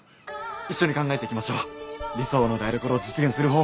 一緒に考えていきましょう理想の台所を実現する方法！